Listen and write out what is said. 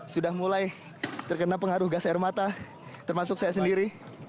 sudah mulai terkena pengaruh gas air mata termasuk saya sendiri